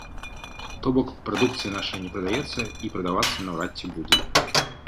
То бок, прадукцыя нашая не прадаецца, і прадавацца наўрад ці будзе.